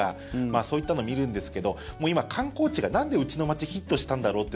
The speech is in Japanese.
そういったのを見るんですけどもう今、観光地がなんでうちの街ヒットしたんだろう？って